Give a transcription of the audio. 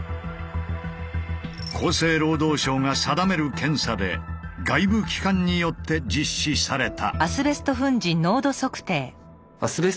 厚生労働省が定める検査で外部機関によって実施された。